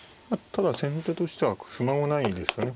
ただ先手としては不満はないですかね。